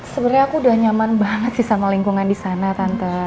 sebenarnya aku udah nyaman banget sih sama lingkungan di sana tante